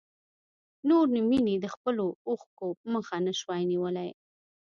نور نو مينې د خپلو اوښکو مخه نه شوای نيولی.